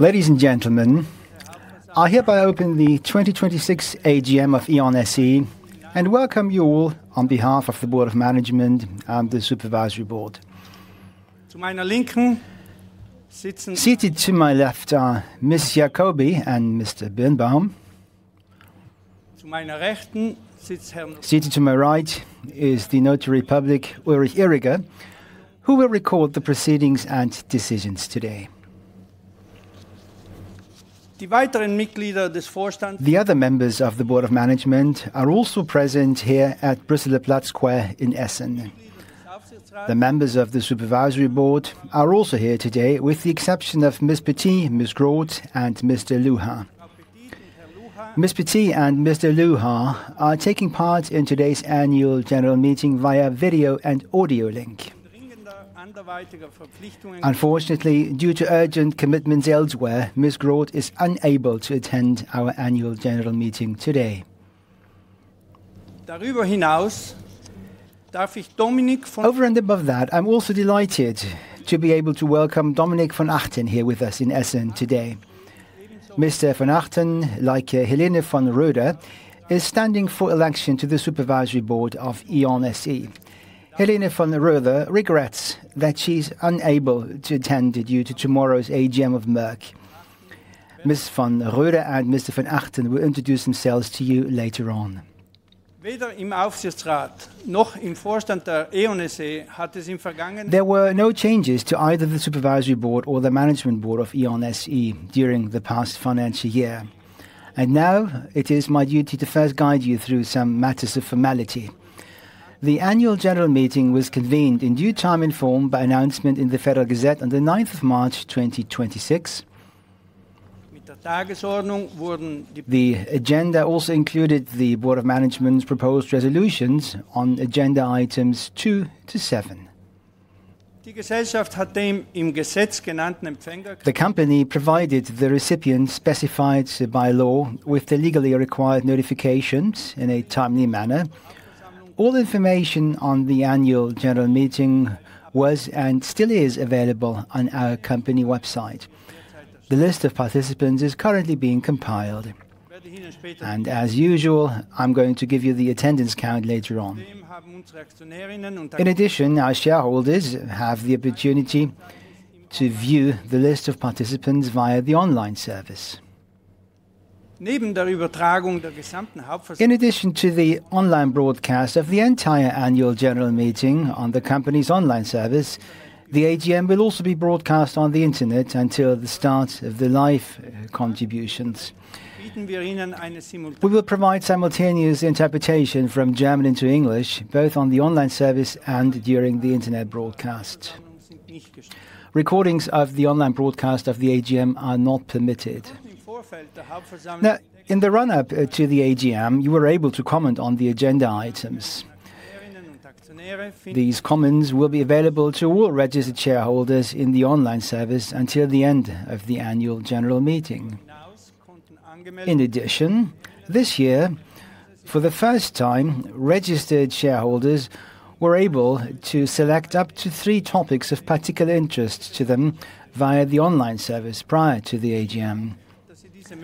Ladies and gentlemen, I hereby open the 2026 AGM of E.ON SE and welcome you all on behalf of the Board of Management and the Supervisory Board. Seated to my left are Ms. Jakobi and Mr. Birnbaum. Seated to my right is the Notary Public, Ulrich Irriger, who will record the proceedings and decisions today. The other members of the Board of Management are also present here at Brüsseler Platz Square in Essen. The members of the Supervisory Board are also here today, with the exception of Ms. Petit, Ms. Groth, and Mr. Luhar. Ms. Petit and Mr. Luhar are taking part in today's annual general meeting via video and audio link. Unfortunately, due to urgent commitments elsewhere, Ms. Groth is unable to attend our Annual General Meeting today. Over and above that, I'm also delighted to be able to welcome Dominik von Achten here with us in Essen today. Mr. von Achten, like Helene von Roeder, is standing for election to the Supervisory Board of E.ON SE. Helene von Roeder regrets that she's unable to attend due to tomorrow's AGM of Merck. Ms. von Roeder and Mr. von Achten will introduce themselves to you later on. There were no changes to either the Supervisory Board or the Management Board of E.ON SE during the past financial year. Now it is my duty to first guide you through some matters of formality. The annual general meeting was convened in due time and form by announcement in the Federal Gazette on the 9th of March 2026. The agenda also included the Board of Management's proposed resolutions on Agenda Items two to seven. The company provided the recipients specified by law with the legally required notifications in a timely manner. All information on the Annual General Meeting was, and still is, available on our company website. The list of participants is currently being compiled. As usual, I'm going to give you the attendance count later on. In addition, our shareholders have the opportunity to view the list of participants via the online service. In addition to the online broadcast of the entire Annual General Meeting on the company's online service, the AGM will also be broadcast on the internet until the start of the live contributions. We will provide simultaneous interpretation from German to English, both on the online service and during the internet broadcast. Recordings of the online broadcast of the AGM are not permitted. Now, in the run-up to the AGM, you were able to comment on the agenda items. These comments will be available to all registered shareholders in the online service until the end of the Annual General Meeting. In addition, this year, for the first time, registered shareholders were able to select up to three topics of particular interest to them via the online service prior to the AGM.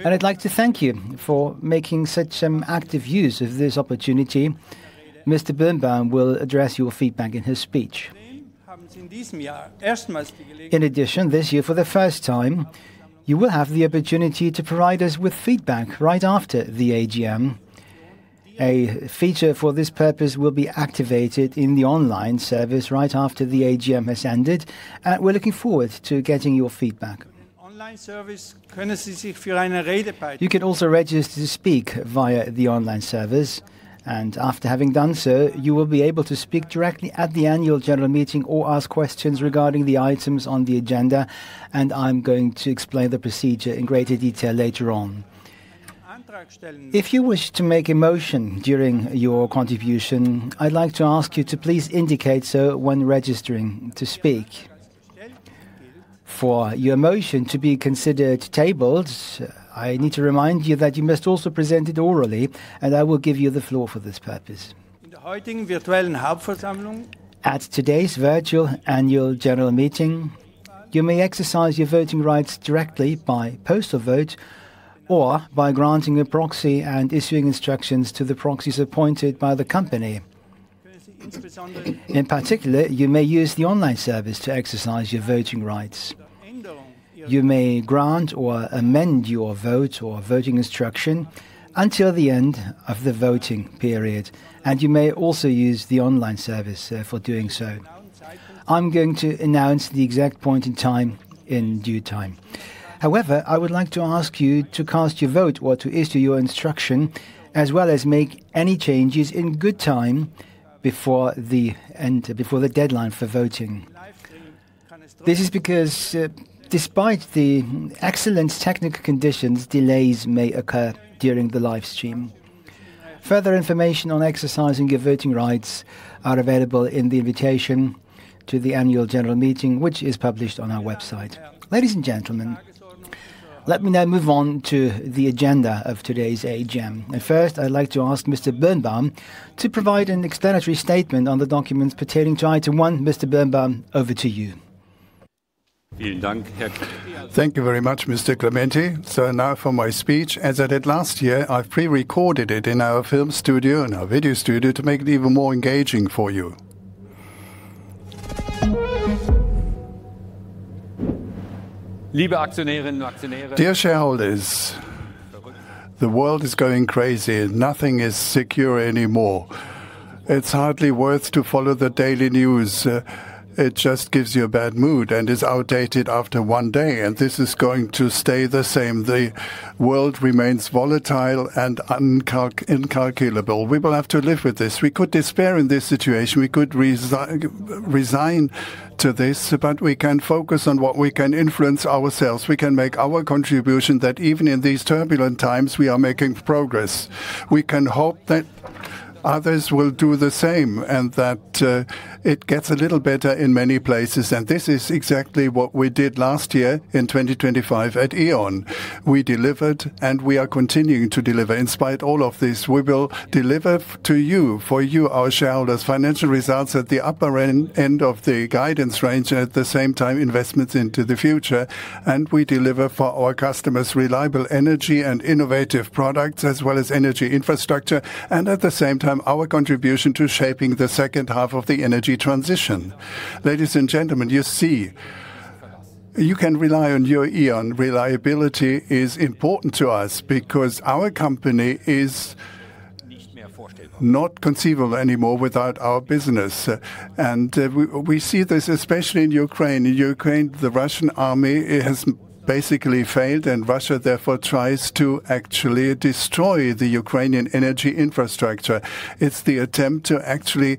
I'd like to thank you for making such active use of this opportunity. Mr. Birnbaum will address your feedback in his speech. In addition, this year for the first time, you will have the opportunity to provide us with feedback right after the AGM. A feature for this purpose will be activated in the online service right after the AGM has ended. We're looking forward to getting your feedback. You can also register to speak via the online service, and after having done so, you will be able to speak directly at the Annual General Meeting or ask questions regarding the items on the agenda, and I'm going to explain the procedure in greater detail later on. If you wish to make a motion during your contribution, I'd like to ask you to please indicate so when registering to speak. For your motion to be considered tabled, I need to remind you that you must also present it orally, and I will give you the floor for this purpose. At today's virtual Annual General Meeting, you may exercise your voting rights directly by postal vote or by granting a proxy and issuing instructions to the proxies appointed by the company. In particular, you may use the online service to exercise your voting rights. You may grant or amend your vote or voting instruction until the end of the voting period, and you may also use the online service for doing so. I'm going to announce the exact point in time in due time. However, I would like to ask you to cast your vote or to issue your instruction, as well as make any changes in good time before the deadline for voting. This is because, despite the excellent technical conditions, delays may occur during the live stream. Further information on exercising your voting rights are available in the invitation to the Annual General Meeting, which is published on our website. Ladies and gentlemen. Let me now move on to the agenda of today's AGM. First, I'd like to ask Mr. Birnbaum to provide an explanatory statement on the documents pertaining to Item one. Mr. Birnbaum, over to you. Thank you very much, Mr. Clementi. Now for my speech. As I did last year, I've pre-recorded it in our film studio and our video studio to make it even more engaging for you. Dear shareholders, the world is going crazy. Nothing is secure anymore. It's hardly worth to follow the daily news. It just gives you a bad mood and is outdated after one day. This is going to stay the same. The world remains volatile and incalculable. We will have to live with this. We could despair in this situation. We could resign to this, but we can focus on what we can influence ourselves. We can make our contribution that even in these turbulent times, we are making progress. We can hope that others will do the same and that it gets a little better in many places. This is exactly what we did last year in 2025 at E.ON. We delivered, and we are continuing to deliver. In spite of all of this, we will deliver to you, for you, our shareholders, financial results at the upper end of the guidance range, and at the same time, investments into the future. We deliver for our customers reliable energy and innovative products, as well as energy infrastructure, and at the same time, our contribution to shaping the second half of the energy transition. Ladies and gentlemen, you see, you can rely on your E.ON. Reliability is important to us because our company is not conceivable anymore without our business. We see this, especially in Ukraine. In Ukraine, the Russian army has basically failed, and Russia therefore tries to actually destroy the Ukrainian energy infrastructure. It's the attempt to actually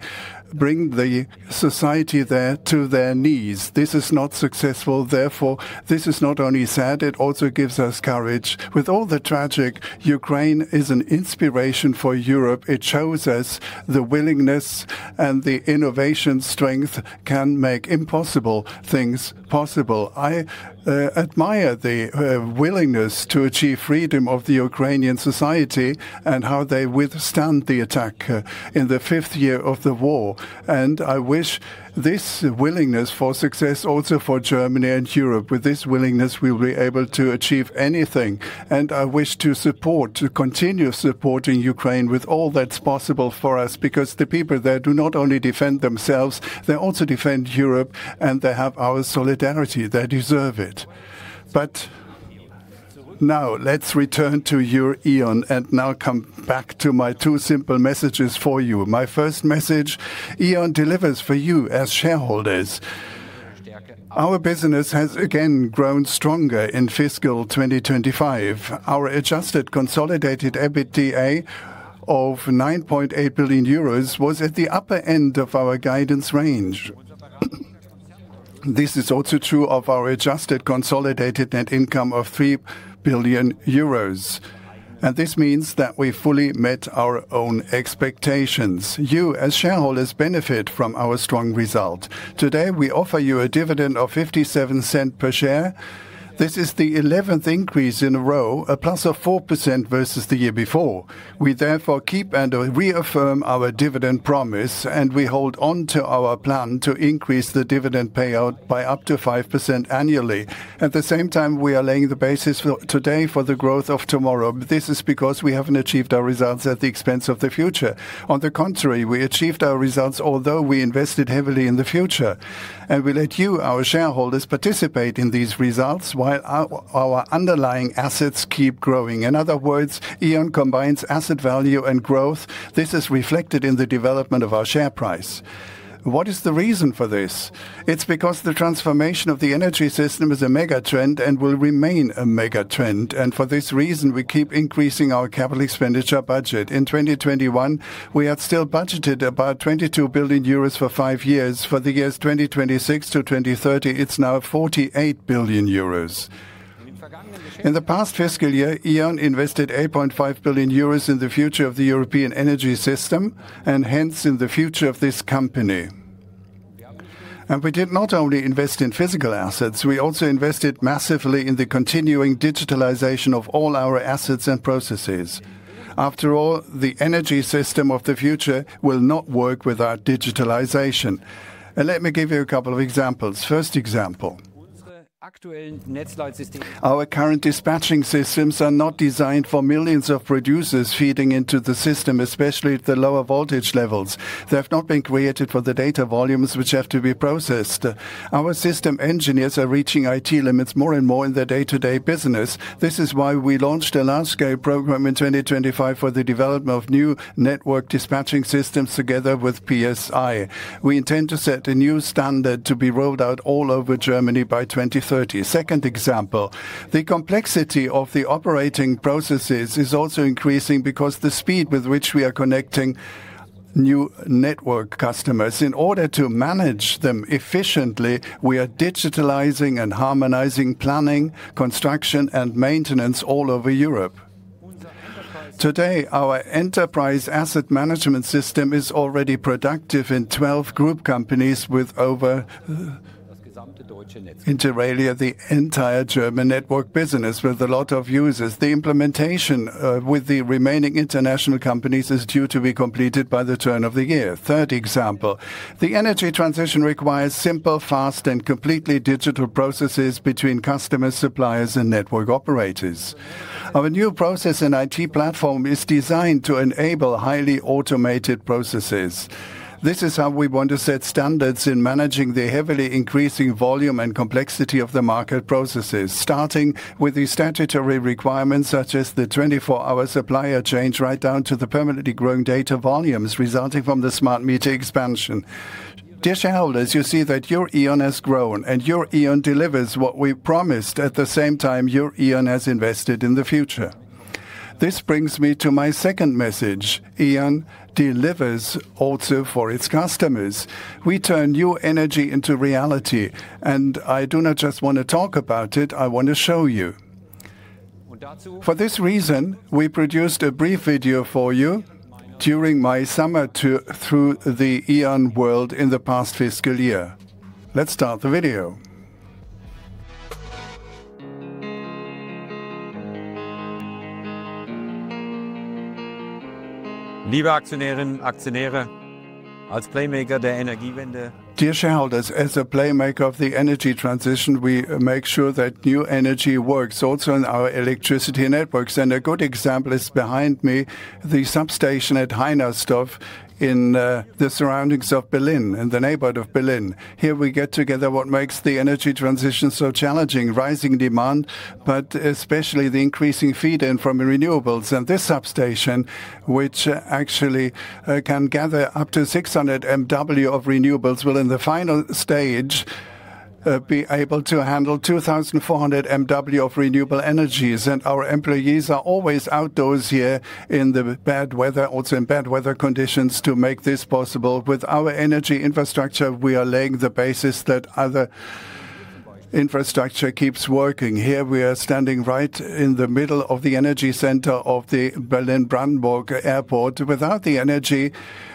bring the society there to their knees. This is not successful. Therefore, this is not only sad, it also gives us courage. With all the tragedy, Ukraine is an inspiration for Europe. It shows us the willingness and the innovative strength can make impossible things possible. I admire the willingness to achieve freedom of the Ukrainian society and how they withstand the attack in the fifth year of the war. I wish this willingness for success also for Germany and Europe. With this willingness, we'll be able to achieve anything. I wish to support, to continue supporting Ukraine with all that's possible for us, because the people there do not only defend themselves, they also defend Europe, and they have our solidarity. They deserve it. Now let's return to your E.ON and now come back to my two simple messages for you. My first message, E.ON delivers for you as shareholders. Our business has again grown stronger in fiscal 2025. Our adjusted consolidated EBITDA of 9.8 billion euros was at the upper end of our guidance range. This is also true of our adjusted consolidated net income of 3 billion euros. This means that we fully met our own expectations. You, as shareholders, benefit from our strong result. Today, we offer you a dividend of 0.57 Per share. This is the 11th increase in a row, a plus of 4% versus the year before. We therefore keep and reaffirm our dividend promise, and we hold on to our plan to increase the dividend payout by up to 5% annually. At the same time, we are laying the basis today for the growth of tomorrow. This is because we haven't achieved our results at the expense of the future. On the contrary, we achieved our results although we invested heavily in the future. We let you, our shareholders, participate in these results while our underlying assets keep growing. In other words, E.ON combines asset value and growth. This is reflected in the development of our share price. What is the reason for this? It's because the transformation of the energy system is a mega-trend and will remain a mega-trend. For this reason, we keep increasing our capital expenditure budget. In 2021, we had still budgeted about 22 billion euros for five years. For the years 2026 to 2030, it's now 48 billion euros. In the past fiscal year, E.ON invested 8.5 billion euros in the future of the European energy system and hence in the future of this company. We did not only invest in physical assets, we also invested massively in the continuing digitalization of all our assets and processes. After all, the energy system of the future will not work without digitalization. Let me give you a couple of examples. First example. Our current dispatching systems are not designed for millions of producers feeding into the system, especially at the lower voltage levels. They have not been created for the data volumes which have to be processed. Our system engineers are reaching IT limits more and more in their day-to-day business. This is why we launched a large-scale program in 2025 for the development of new network dispatching systems together with PSI. We intend to set a new standard to be rolled out all over Germany by 2030. Second example, the complexity of the operating processes is also increasing because of the speed with which we are connecting new network customers. In order to manage them efficiently, we are digitalizing and harmonizing planning, construction, and maintenance all over Europe. Today, our enterprise asset management system is already productive in 12 group companies, with over inter alia, the entire German network business, with a lot of users. The implementation with the remaining international companies is due to be completed by the turn of the year. Third example. The energy transition requires simple, fast, and completely digital processes between customers, suppliers, and network operators. Our new process and IT platform is designed to enable highly automated processes. This is how we want to set standards in managing the heavily increasing volume and complexity of the market processes. Starting with the statutory requirements, such as the 24-hour supplier change, right down to the permanently growing data volumes resulting from the smart meter expansion. Dear shareholders, you see that your E.ON has grown, and your E.ON delivers what we promised. At the same time, your E.ON has invested in the future. This brings me to my second message. E.ON delivers also for its customers. We turn your energy into reality, and I do not just want to talk about it, I want to show you. For this reason, we produced a brief video for you during my summer through the E.ON world in the past fiscal year. Let's start the video. Dear shareholders, as a playmaker of the energy transition, we make sure that new energy works also in our electricity networks. A good example is behind me, the substation at Heinersdorf in the surroundings of Berlin, in the neighborhood of Berlin. Here we get together what makes the energy transition so challenging, rising demand, but especially the increasing feed-in from renewables. This substation, which actually can gather up to 600 MW of renewables, will in the final stage, be able to handle 2,400 MW of renewable energies. Our employees are always outdoors here in the bad weather, also in bad weather conditions to make this possible. With our energy infrastructure, we are laying the basis that other infrastructure keeps working. Here we are standing right in the middle of the energy center of the Berlin Brandenburg Airport. Without the energy,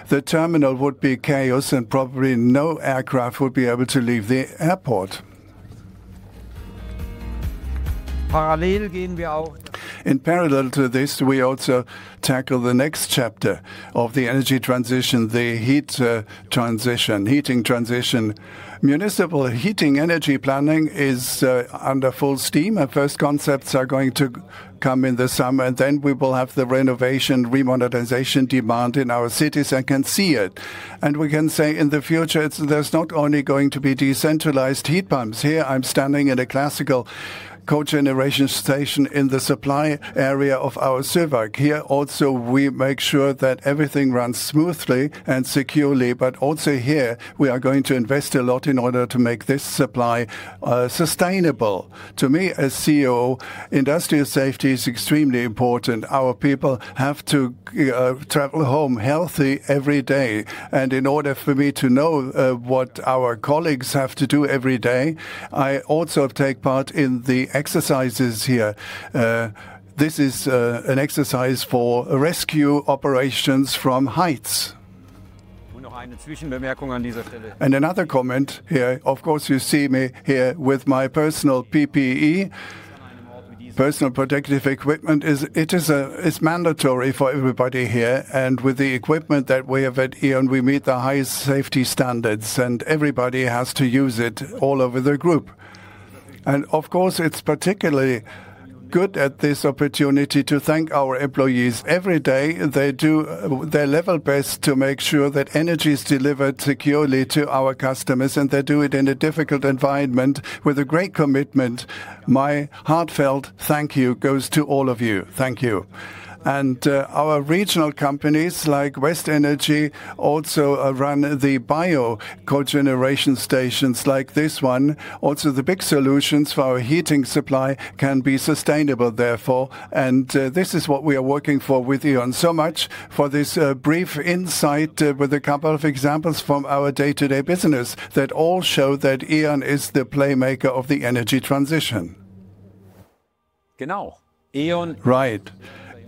the terminal would be chaos and probably no aircraft would be able to leave the airport. In parallel to this, we also tackle the next chapter of the energy transition, the heat transition, heating transition. Municipal heating energy planning is under full steam. Our first concepts are going to come in the summer. We will have the renovation, remonetization demand in our cities, I can see it. We can say in the future, there's not only going to be decentralized heat pumps. Here I'm standing in a classical cogeneration station in the supply area of our [Süwag]. Here also, we make sure that everything runs smoothly and securely. Also here, we are going to invest a lot in order to make this supply sustainable. To me, as CEO, industrial safety is extremely important. Our people have to travel home healthy every day. In order for me to know what our colleagues have to do every day, I also take part in the exercises here. This is an exercise for rescue operations from heights. Another comment here, of course, you see me here with my personal PPE. Personal protective equipment, it's mandatory for everybody here. With the equipment that we have at E.ON, we meet the highest safety standards, and everybody has to use it all over the group. Of course, it's particularly good at this opportunity to thank our employees. Every day, they do their level best to make sure that energy is delivered securely to our customers, and they do it in a difficult environment with a great commitment. My heartfelt thank you goes to all of you. Thank you. Our regional companies, like Westenergie, also run the biogas cogeneration stations like this one. Also, the big solutions for our heating supply can be sustainable therefore. This is what we are working for with E.ON. Much for this brief insight with a couple of examples from our day-to-day business that all show that E.ON is the playmaker of the energy transition. Right.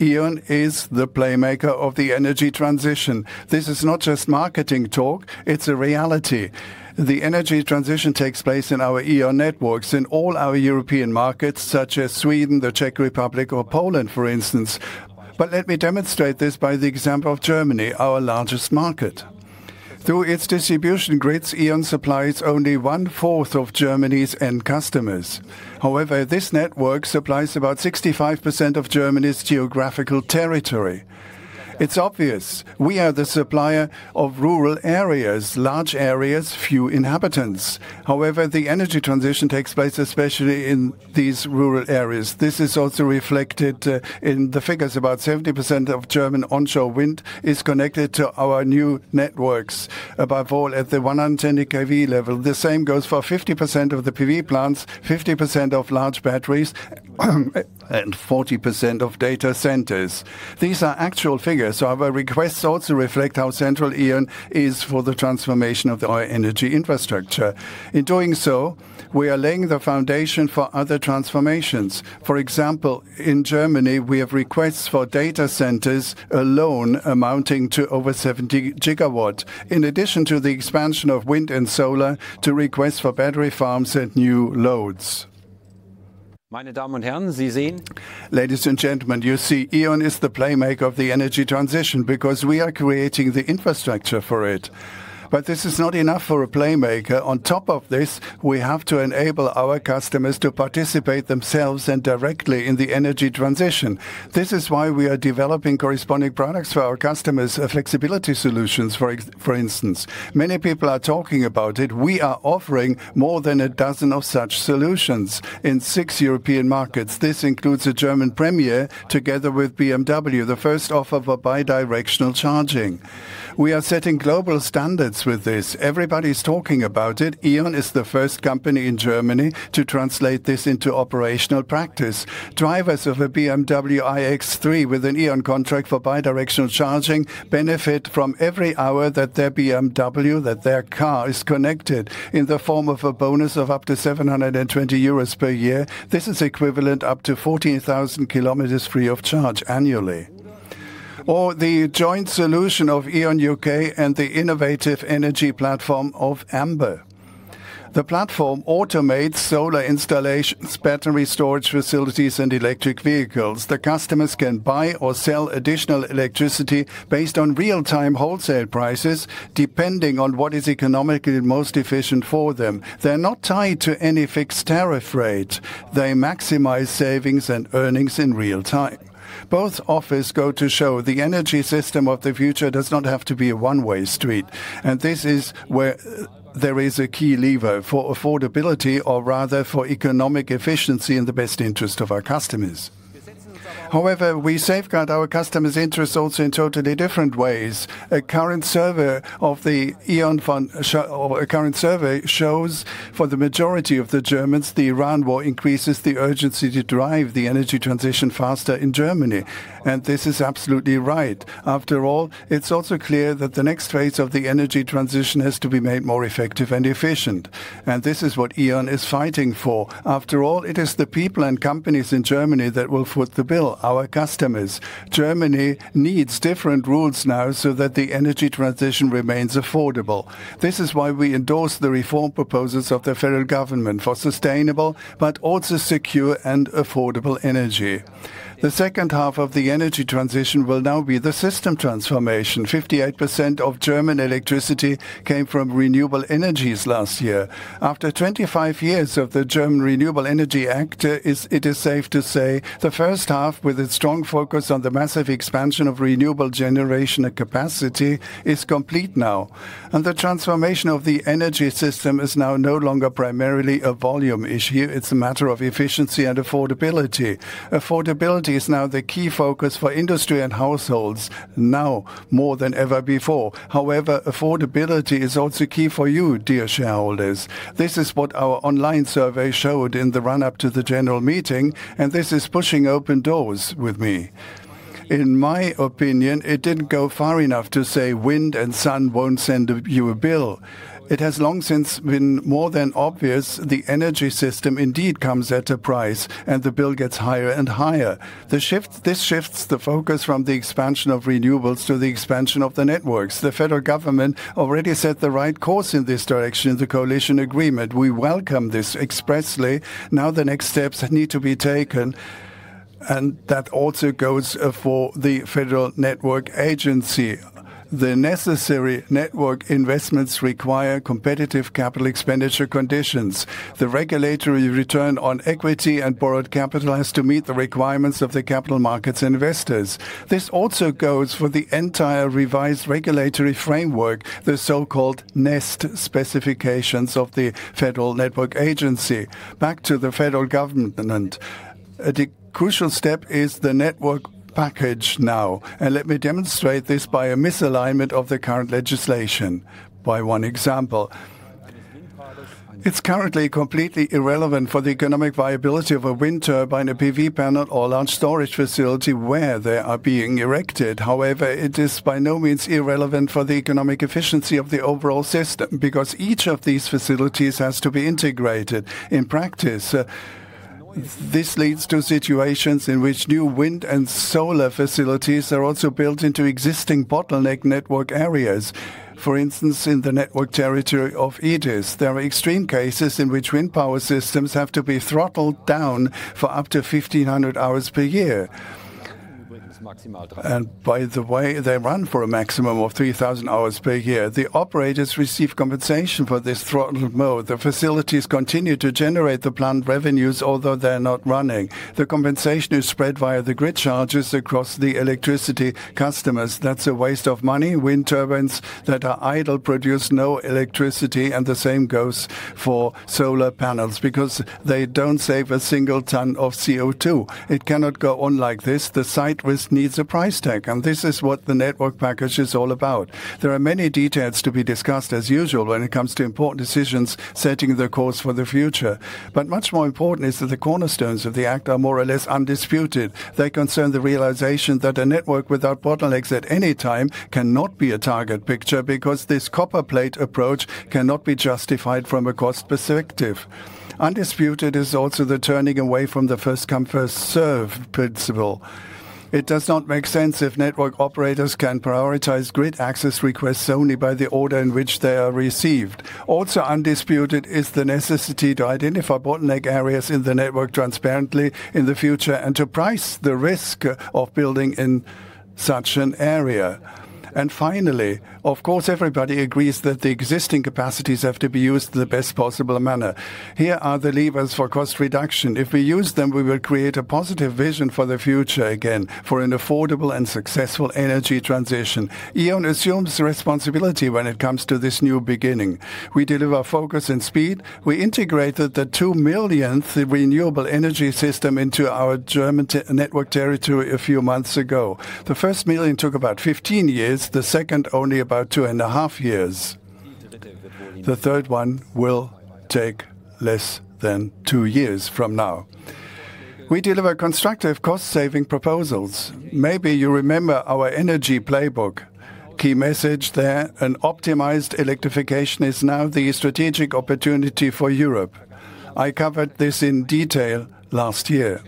E.ON is the playmaker of the energy transition. This is not just marketing talk, it's a reality. The energy transition takes place in our E.ON networks, in all our European markets, such as Sweden, the Czech Republic or Poland, for instance. Let me demonstrate this by the example of Germany, our largest market. Through its distribution grids, E.ON supplies only one fourth of Germany's end customers. However, this network supplies about 65% of Germany's geographical territory. It's obvious, we are the supplier of rural areas, large areas, few inhabitants. However, the energy transition takes place, especially in these rural areas. This is also reflected in the figures. About 70% of German onshore wind is connected to our new networks, above all at the 110 kV level. The same goes for 50% of the PV plants, 50% of large batteries, and 40% of data centers. These are actual figures. Our requests also reflect how central E.ON is for the transformation of our energy infrastructure. In doing so, we are laying the foundation for other transformations. For example, in Germany, we have requests for data centers alone amounting to over 70 GW. In addition to the expansion of wind and solar, to requests for battery farms and new loads. Ladies and gentlemen, you see E.ON is the playmaker of the energy transition because we are creating the infrastructure for it. This is not enough for a playmaker. On top of this, we have to enable our customers to participate themselves and directly in the energy transition. This is why we are developing corresponding products for our customers, flexibility solutions, for instance. Many people are talking about it. We are offering more than a dozen of such solutions in six European markets. This includes a German premiere together with BMW, the first offer for bi-directional charging. We are setting global standards with this. Everybody's talking about it. E.ON is the first company in Germany to translate this into operational practice. Drivers of a BMW iX3 with an E.ON contract for bi-directional charging benefit from every hour that their BMW, that their car, is connected in the form of a bonus of up to 720 euros per year. This is equivalent up to 14,000 km free of charge annually. The joint solution of E.ON UK and the innovative energy platform of Amber. The platform automates solar installations, battery storage facilities, and electric vehicles. The customers can buy or sell additional electricity based on real-time wholesale prices, depending on what is economically most efficient for them. They're not tied to any fixed tariff rate. They maximize savings and earnings in real time. Both offers go to show the energy system of the future does not have to be a one-way street, and this is where there is a key lever for affordability or rather for economic efficiency in the best interest of our customers. However, we safeguard our customers' interests also in totally different ways. A current survey shows for the majority of the Germans, the Iran war increases the urgency to drive the energy transition faster in Germany, and this is absolutely right. After all, it's also clear that the next phase of the energy transition has to be made more effective and efficient, and this is what E.ON is fighting for. After all, it is the people and companies in Germany that will foot the bill, our customers. Germany needs different rules now so that the energy transition remains affordable. This is why we endorse the reform proposals of the federal government for sustainable but also secure and affordable energy. The second half of the energy transition will now be the system transformation. 58% of German electricity came from renewable energies last year. After 25 years of the German Renewable Energy Act, it is safe to say the first half, with its strong focus on the massive expansion of renewable generation and capacity, is complete now. The transformation of the energy system is now no longer primarily a volume issue. It's a matter of efficiency and affordability. Affordability is now the key focus for industry and households, now more than ever before. However, affordability is also key for you, dear shareholders. This is what our online survey showed in the run-up to the General Meeting, and this is pushing open doors with me. In my opinion, it didn't go far enough to say wind and sun won't send you a bill. It has long since been more than obvious the energy system indeed comes at a price, and the bill gets higher and higher. This shifts the focus from the expansion of renewables to the expansion of the networks. The federal government already set the right course in this direction in the coalition agreement. We welcome this expressly. Now the next steps need to be taken, and that also goes for the Federal Network Agency. The necessary network investments require competitive capital expenditure conditions. The regulatory return on equity and borrowed capital has to meet the requirements of the capital markets investors. This also goes for the entire revised regulatory framework, the so-called NEST specifications of the Federal Network Agency. Back to the federal government. A crucial step is the network package now, and let me demonstrate this by a misalignment of the current legislation by one example. It's currently completely irrelevant for the economic viability of a wind turbine, a PV panel, or large storage facility where they are being erected. However, it is by no means irrelevant for the economic efficiency of the overall system, because each of these facilities has to be integrated. In practice, this leads to situations in which new wind and solar facilities are also built into existing bottleneck network areas. For instance, in the network territory of E.DIS, there are extreme cases in which wind power systems have to be throttled down for up to 1,500 hours per year. By the way, they run for a maximum of 3,000 hours per year. The operators receive compensation for this throttled mode. The facilities continue to generate the planned revenues, although they're not running. The compensation is spread via the grid charges across the electricity customers. That's a waste of money. Wind turbines that are idle produce no electricity, and the same goes for solar panels because they don't save a single ton of CO2. It cannot go on like this. The site risk needs a price tag, and this is what the network package is all about. There are many details to be discussed, as usual, when it comes to important decisions setting the course for the future. Much more important is that the cornerstones of the act are more or less undisputed. They concern the realization that a network without bottlenecks at any time cannot be a target picture, because this copper plate approach cannot be justified from a cost perspective. Undisputed is also the turning away from the first-come, first-served principle. It does not make sense if network operators can prioritize grid access requests only by the order in which they are received. Also undisputed is the necessity to identify bottleneck areas in the network transparently in the future, and to price the risk of building in such an area. Finally, of course, everybody agrees that the existing capacities have to be used in the best possible manner. Here are the levers for cost reduction. If we use them, we will create a positive vision for the future again, for an affordable and successful energy transition. E.ON assumes responsibility when it comes to this new beginning. We deliver focus and speed. We integrated the 2 millionth renewable energy system into our German network territory a few months ago. The first million took about 15 years, the second only about two and a half years. The third one will take less than two years from now. We deliver constructive cost-saving proposals. Maybe you remember our Energy Playbook. Key message there, an optimized electrification is now the strategic opportunity for Europe. I covered this in detail last year.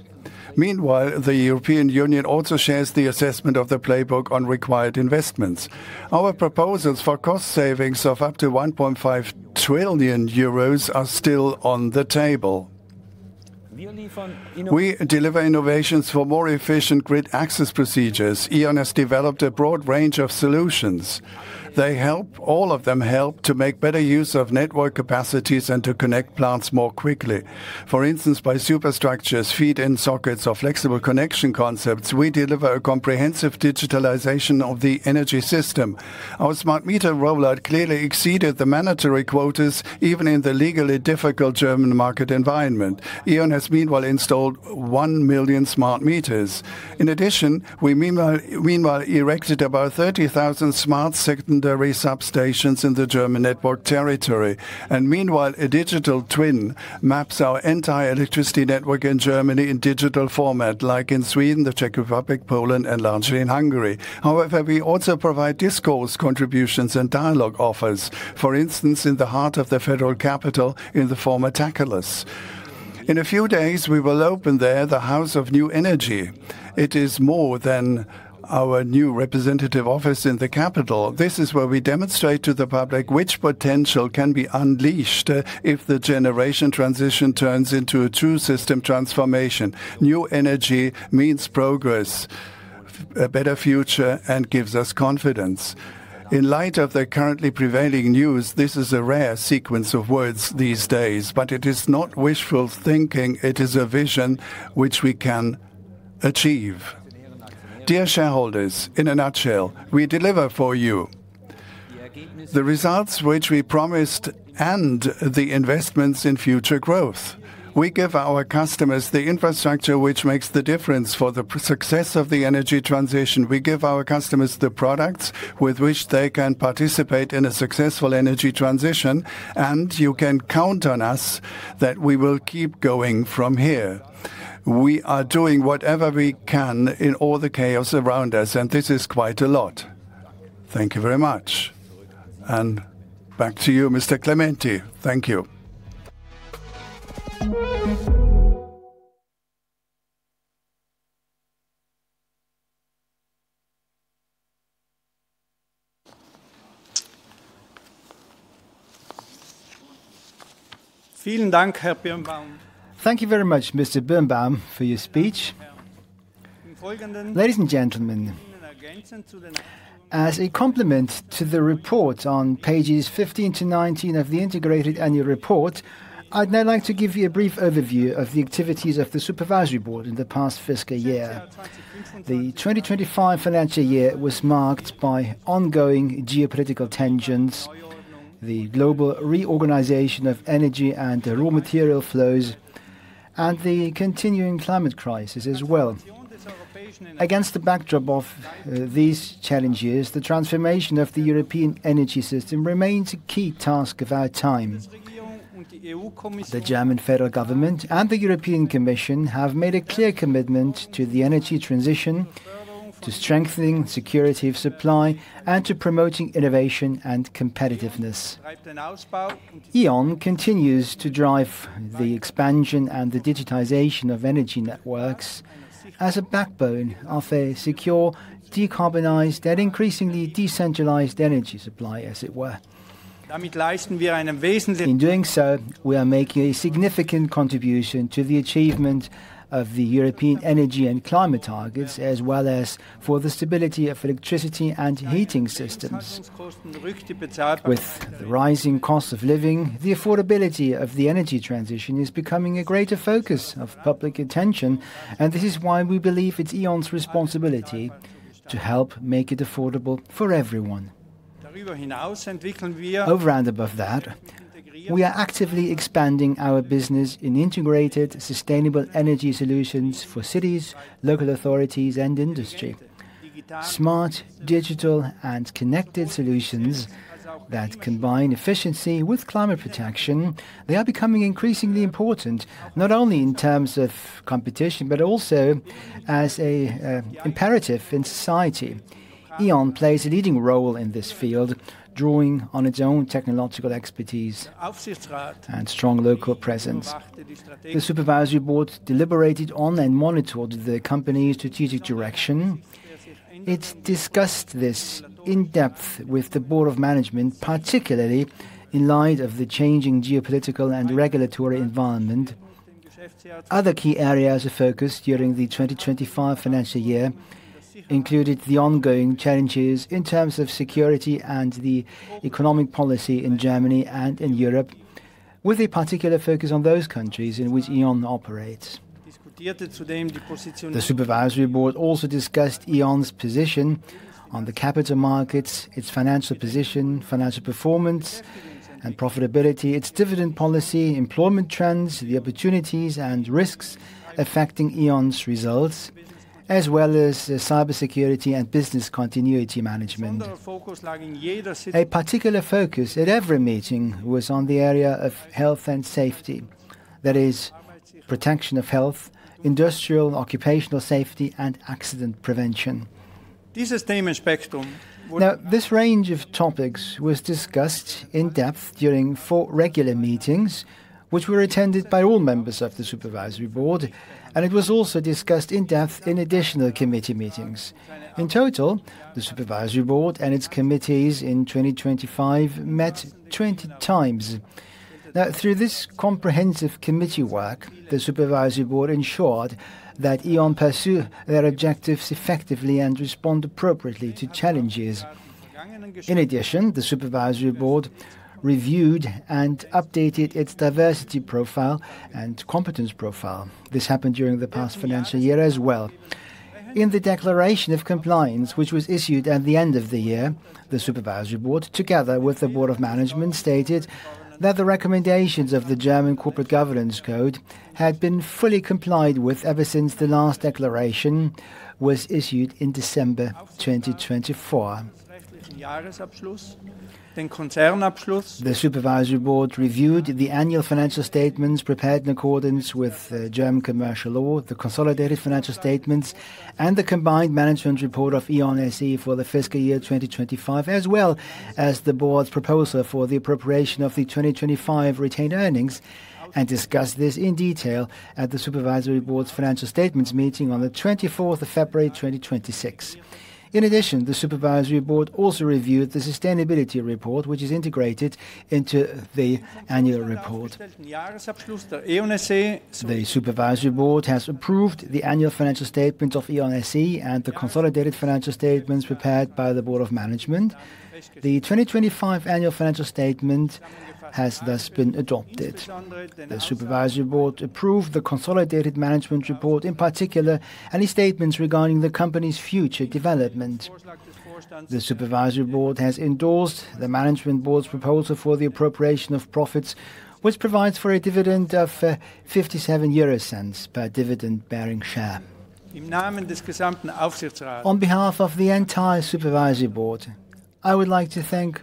Meanwhile, the European Union also shares the assessment of the Playbook on required investments. Our proposals for cost savings of up to 1.5 trillion euros are still on the table. We deliver innovations for more efficient grid access procedures. E.ON has developed a broad range of solutions. All of them help to make better use of network capacities and to connect plants more quickly. For instance, by superstructures, feed-in sockets, or flexible connection concepts, we deliver a comprehensive digitalization of the energy system. Our smart meter rollout clearly exceeded the mandatory quotas, even in the legally difficult German market environment. E.ON has meanwhile installed 1 million smart meters. In addition, we meanwhile erected about 30,000 smart secondary substations in the German network territory. Meanwhile, a Digital Twin, maps our entire electricity network in Germany in digital format, like in Sweden, the Czech Republic, Poland, and largely in Hungary. However, we also provide discourse contributions and dialogue offers. For instance, in the heart of the federal capital in the former TACHELES. In a few days, we will open there the House of New Energy. It is more than our new representative office in the capital. This is where we demonstrate to the public which potential can be unleashed if the generation transition turns into a true system transformation. New energy means progress, a better future, and gives us confidence. In light of the currently prevailing news, this is a rare sequence of words these days, but it is not wishful thinking. It is a vision which we can achieve. Dear shareholders, in a nutshell, we deliver for you the results which we promised and the investments in future growth. We give our customers the infrastructure which makes the difference for the success of the energy transition. We give our customers the products with which they can participate in a successful energy transition, and you can count on us that we will keep going from here. We are doing whatever we can in all the chaos around us, and this is quite a lot. Thank you very much. Back to you, Mr. Clementi. Thank you. Thank you very much, Mr. Birnbaum, for your speech. Ladies and gentlemen, as a complement to the report on pages 15 to 19 of the Integrated Annual Report, I'd now like to give you a brief overview of the activities of the Supervisory Board in the past fiscal year. The 2025 financial year was marked by ongoing geopolitical tensions, the global reorganization of energy and raw material flows, and the continuing climate crisis as well. Against the backdrop of these challenges, the transformation of the European energy system remains a key task of our time. The German federal government and the European Commission have made a clear commitment to the energy transition, to strengthening security of supply, and to promoting innovation and competitiveness. E.ON continues to drive the expansion and the digitization of energy networks as a backbone of a secure, decarbonized, and increasingly decentralized energy supply, as it were. In doing so, we are making a significant contribution to the achievement of the European energy and climate targets, as well as for the stability of electricity and heating systems. With the rising cost of living, the affordability of the energy transition is becoming a greater focus of public attention, and this is why we believe it's E.ON's responsibility to help make it affordable for everyone. Over and above that, we are actively expanding our business in integrated, sustainable energy solutions for cities, local authorities, and industry. Smart, digital, and connected solutions that combine efficiency with climate protection, they are becoming increasingly important, not only in terms of competition, but also as an imperative in society. E.ON plays a leading role in this field, drawing on its own technological expertise and strong local presence. The Supervisory Board deliberated on and monitored the company's strategic direction. It discussed this in depth with the Board of Management, particularly in light of the changing geopolitical and regulatory environment. Other key areas of focus during the 2025 financial year included the ongoing challenges in terms of security and the economic policy in Germany and in Europe, with a particular focus on those countries in which E.ON operates. The Supervisory Board also discussed E.ON's position on the capital markets, its financial position, financial performance and profitability, its dividend policy, employment trends, the opportunities and risks affecting E.ON's results, as well as cybersecurity and business continuity management. A particular focus at every meeting was on the area of health and safety. That is protection of health, industrial and occupational safety, and accident prevention. Now, this range of topics was discussed in depth during four regular meetings, which were attended by all members of the Supervisory Board, and it was also discussed in depth in additional committee meetings. In total, the Supervisory Board and its committees in 2025 met 20 times. Now, through this comprehensive committee work, the Supervisory Board ensured that E.ON pursue their objectives effectively and respond appropriately to challenges. In addition, the Supervisory Board reviewed and updated its diversity profile and competence profile. This happened during the past financial year as well. In the declaration of compliance, which was issued at the end of the year, the Supervisory Board, together with the Board of Management, stated that the recommendations of the German Corporate Governance Code had been fully complied with ever since the last declaration was issued in December 2024. The Supervisory Board reviewed the annual financial statements prepared in accordance with German commercial law, the consolidated financial statements, and the combined management report of E.ON SE for the fiscal year 2025, as well as the Board's proposal for the appropriation of the 2025 retained earnings, and discussed this in detail at the Supervisory Board's financial statements meeting on the 24th of February 2026. In addition, the Supervisory Board also reviewed the sustainability report, which is integrated into the annual report. The Supervisory Board has approved the annual financial statement of E.ON SE and the consolidated financial statements prepared by the Board of Management. The 2025 Annual Financial Statement has thus been adopted. The Supervisory Board approved the consolidated management report, in particular, any statements regarding the company's future development. The Supervisory Board has endorsed the Management Board's proposal for the appropriation of profits, which provides for a dividend of 0.57 per dividend-bearing share. On behalf of the entire Supervisory Board, I would like to thank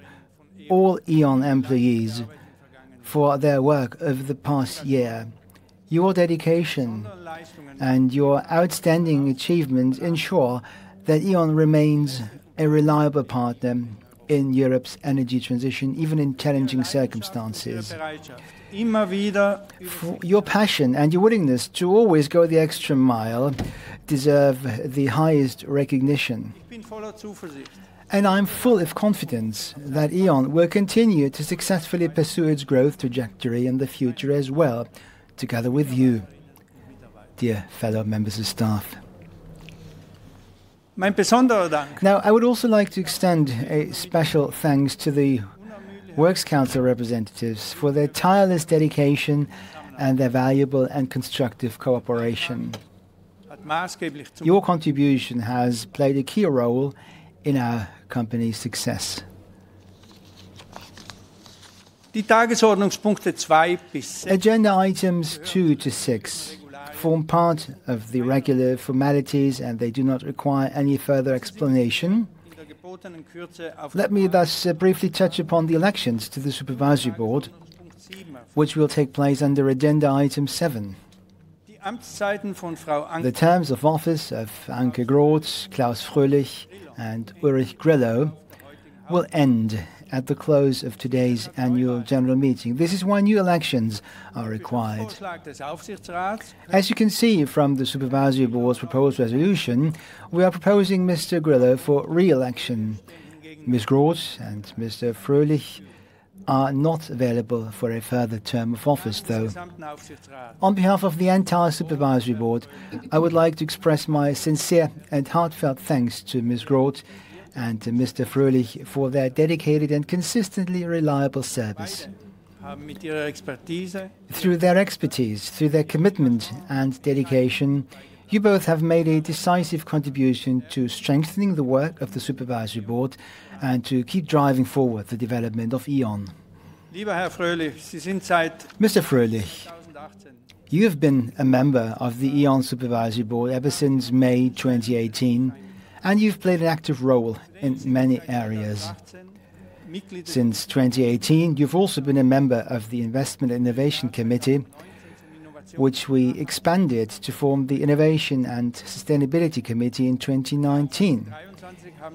all E.ON employees for their work over the past year. Your dedication and your outstanding achievements ensure that E.ON remains a reliable partner in Europe's energy transition, even in challenging circumstances. Your passion and your willingness to always go the extra mile deserve the highest recognition. I'm full of confidence that E.ON will continue to successfully pursue its growth trajectory in the future as well, together with you, dear fellow members of staff. Now, I would also like to extend a special thanks to the Works Council representatives for their tireless dedication and their valuable and constructive cooperation. Your contribution has played a key role in our company's success. Agenda Items two to six form part of the regular formalities, and they do not require any further explanation. Let me thus briefly touch upon the elections to the Supervisory Board, which will take place under Agenda Item seven. The terms of office of Anke Groth, Klaus Fröhlich, and Ulrich Grillo will end at the close of today's Annual General Meeting. This is why new elections are required. As you can see from the Supervisory Board's proposed resolution, we are proposing Mr. Grillo for re-election. Ms. Groth and Mr. Fröhlich are not available for a further term of office, though. On behalf of the entire Supervisory Board, I would like to express my sincere and heartfelt thanks to Ms. Groth and to Mr. Fröhlich for their dedicated and consistently reliable service. Through their expertise, through their commitment and dedication, you both have made a decisive contribution to strengthening the work of the Supervisory Board and to keep driving forward the development of E.ON. Mr. Fröhlich, you have been a member of the E.ON Supervisory Board ever since May 2018, and you've played an active role in many areas. Since 2018, you've also been a member of the Investment Innovation Committee, which we expanded to form the Innovation and Sustainability Committee in 2019.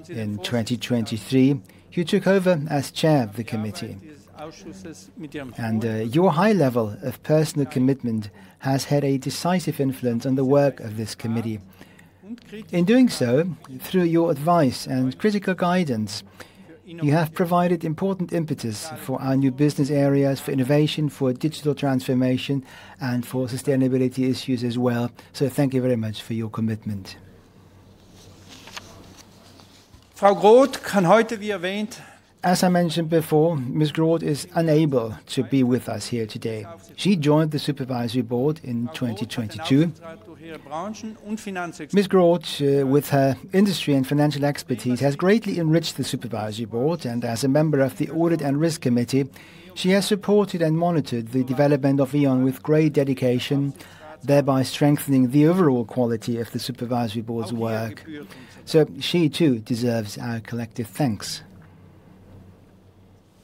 In 2023, you took over as Chair of the Committee. Your high level of personal commitment has had a decisive influence on the work of this Committee. In doing so, through your advice and critical guidance, you have provided important impetus for our new business areas, for innovation, for digital transformation, and for sustainability issues as well. Thank you very much for your commitment. As I mentioned before, Ms. Groth is unable to be with us here today. She joined the Supervisory Board in 2022. Ms. Groth, with her industry and financial expertise, has greatly enriched the Supervisory Board and as a member of the Audit and Risk Committee, she has supported and monitored the development of E.ON with great dedication, thereby strengthening the overall quality of the Supervisory Board's work. She too deserves our collective thanks.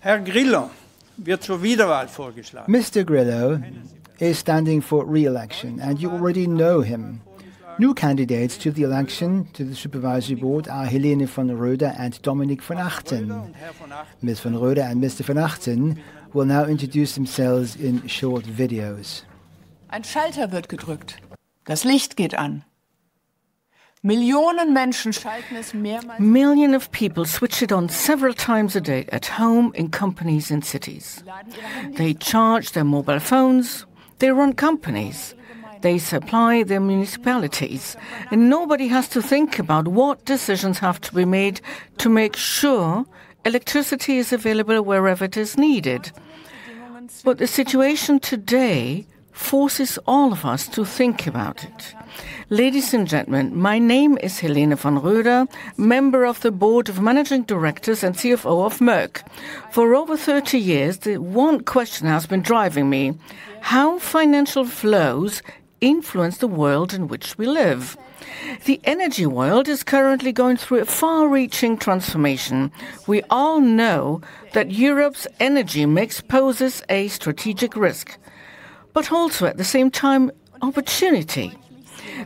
Mr. Grillo is standing for re-election, and you already know him. New candidates to the election to the Supervisory Board are Helene von Roeder and Dominik von Achten. Ms. von Roeder and Mr. von Achten will now introduce themselves in short videos. Millions of people switch it on several times a day at home, in companies and cities. They charge their mobile phones. They run companies. They supply their municipalities, and nobody has to think about what decisions have to be made to make sure electricity is available wherever it is needed. The situation today forces all of us to think about it. Ladies and gentlemen, my name is Helene von Roeder, Member of the Board of Managing Directors and CFO of Merck. For over 30 years, the one question that has been driving me, how financial flows influence the world in which we live. The energy world is currently going through a far-reaching transformation. We all know that Europe's energy mix poses a strategic risk, but also, at the same time, opportunity.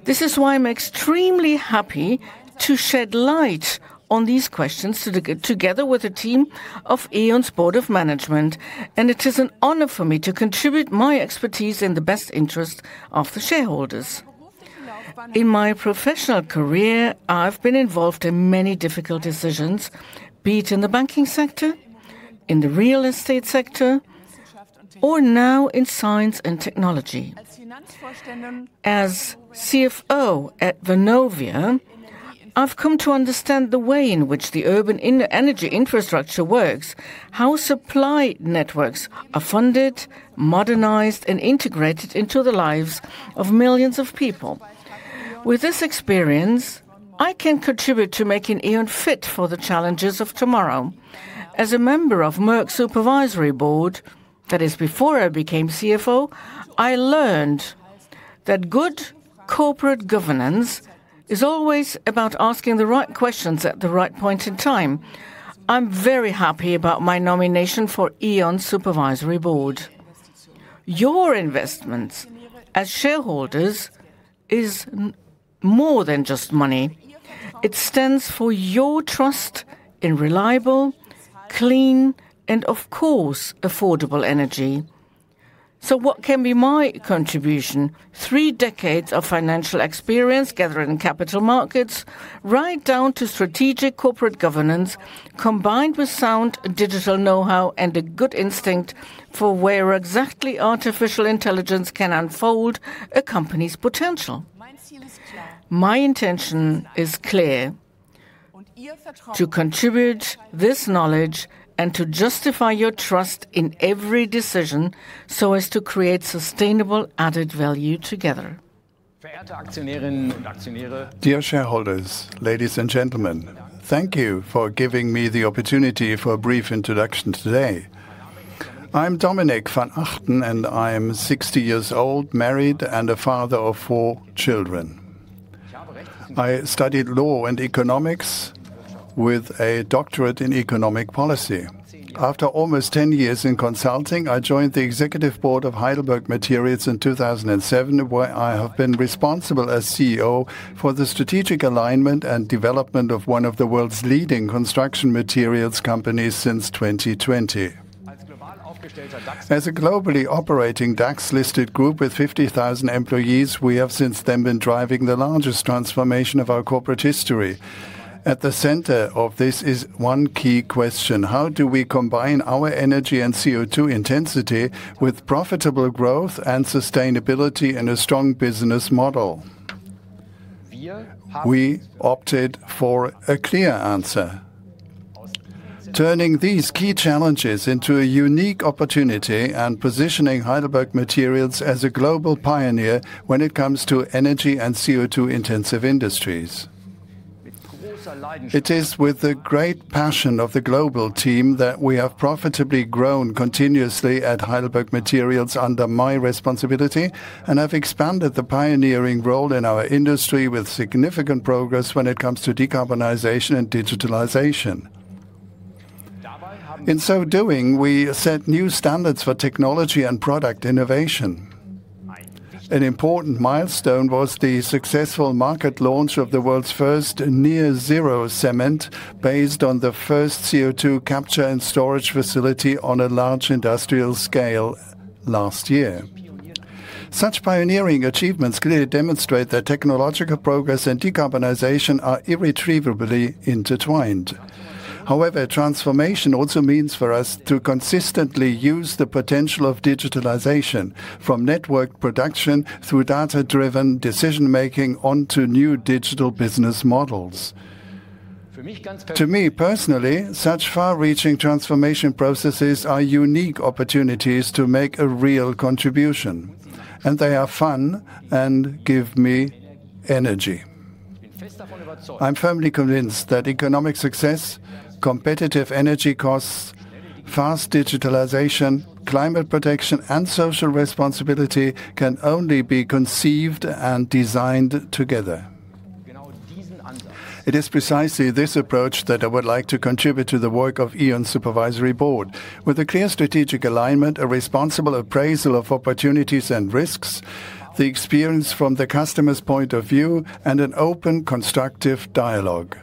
This is why I'm extremely happy to shed light on these questions together with a team of E.ON's board of management, and it is an honor for me to contribute my expertise in the best interest of the shareholders. In my professional career, I've been involved in many difficult decisions, be it in the banking sector, in the real estate sector, or now in science and technology. As CFO at Vonovia, I've come to understand the way in which the urban energy infrastructure works, how supply networks are funded, modernized, and integrated into the lives of millions of people. With this experience, I can contribute to making E.ON fit for the challenges of tomorrow. As a member of Merck Supervisory Board, that is, before I became CFO, I learned that good corporate governance is always about asking the right questions at the right point in time. I'm very happy about my nomination for E.ON Supervisory Board. Your investments as shareholders is more than just money. It stands for your trust in reliable, clean, and of course, affordable energy. What can be my contribution? Three decades of financial experience gathered in capital markets, right down to strategic corporate governance, combined with sound digital knowhow and a good instinct for where exactly artificial intelligence can unfold a company's potential. My intention is clear. To contribute this knowledge and to justify your trust in every decision so as to create sustainable added value together. Dear shareholders, ladies and gentlemen. Thank you for giving me the opportunity for a brief introduction today. I'm Dominik von Achten, and I am 60 years old, married, and a father of four children. I studied law and economics with a Doctorate in economic policy. After almost 10 years in consulting, I joined the Executive Board of Heidelberg Materials in 2007, where I have been responsible as CEO for the strategic alignment and development of one of the world's leading construction materials companies since 2020. As a globally operating DAX-listed group with 50,000 employees, we have since then been driving the largest transformation of our corporate history. At the center of this is one key question. How do we combine our energy and CO2 intensity with profitable growth and sustainability in a strong business model? We opted for a clear answer. Turning these key challenges into a unique opportunity and positioning Heidelberg Materials as a global pioneer when it comes to energy and CO2-intensive industries. It is with the great passion of the global team that we have profitably grown continuously at Heidelberg Materials under my responsibility and have expanded the pioneering role in our industry with significant progress when it comes to decarbonization and digitalization. In so doing, we set new standards for technology and product innovation. An important milestone was the successful market launch of the world's first near-zero cement based on the first CO2 capture and storage facility on a large industrial scale last year. Such pioneering achievements clearly demonstrate that technological progress and decarbonization are inextricably intertwined. However, transformation also means for us to consistently use the potential of digitalization from network production through data-driven decision-making, on to new digital business models. To me personally, such far-reaching transformation processes are unique opportunities to make a real contribution, and they are fun and give me energy. I'm firmly convinced that economic success, competitive energy costs, fast digitalization, climate protection, and social responsibility can only be conceived and designed together. It is precisely this approach that I would like to contribute to the work of E.ON Supervisory Board with a clear strategic alignment, a responsible appraisal of opportunities and risks, the experience from the customer's point of view, and an open, constructive dialogue.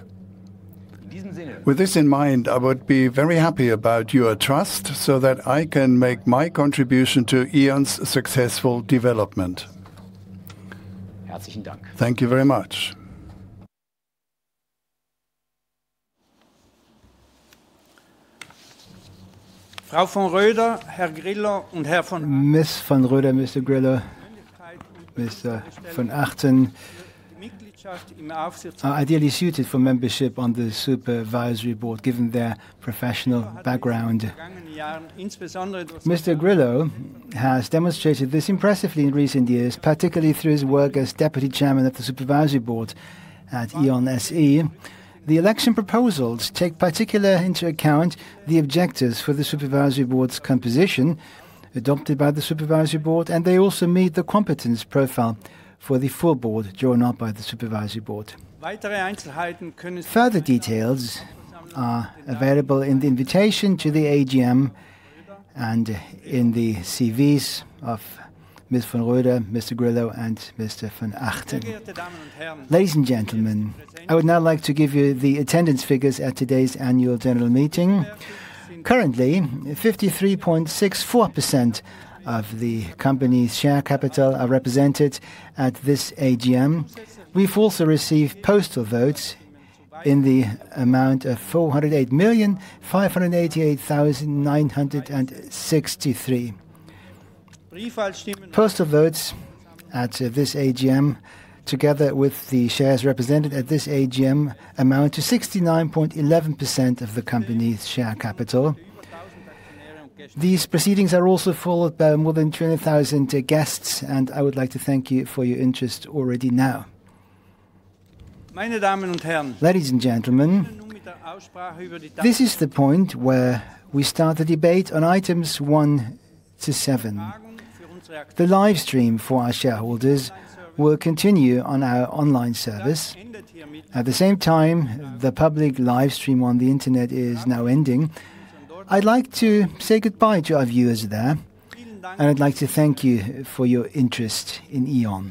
With this in mind, I would be very happy about your trust so that I can make my contribution to E.ON's successful development. Thank you very much. Ms. von Roeder, Mr. Grillo, Mr. von Achten are ideally suited for membership on the supervisory board given their professional background. Mr. Grillo has demonstrated this impressively in recent years, particularly through his work as Deputy Chairman of the Supervisory Board at E.ON SE. The election proposals take particularly into account the objectives for the Supervisory Board's composition adopted by the Supervisory Board, and they also meet the competence profile for the full board drawn up by the Supervisory Board. Further details are available in the invitation to the AGM and in the CVs of Ms. von Roeder, Mr. Grillo, and Mr. von Achten. Ladies and gentlemen, I would now like to give you the attendance figures at today's Annual General Meeting. Currently, 53.64% of the company's share capital are represented at this AGM. We've also received postal votes in the amount of 408,588,963. Postal votes at this AGM, together with the shares represented at this AGM, amount to 69.11% of the company's share capital. These proceedings are also followed by more than 200,000 guests, and I would like to thank you for your interest already now. Ladies and gentlemen, this is the point where we start the debate on items one to seven. The live stream for our shareholders will continue on our online service. At the same time, the public live stream on the internet is now ending. I'd like to say goodbye to our viewers there, and I'd like to thank you for your interest in E.ON.